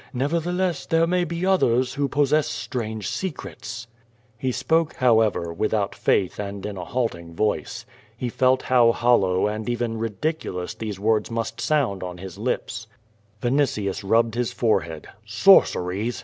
Nevertheless, there may be others who possess strange secrets." He spoke, however, without faith and in a halting voice. He felt how hollow and even ridiculous these words must sound on his lips. Vinitius rubbed his forehead. "Sorceries!"